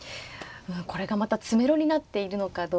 これがまた詰めろになっているのかどうか。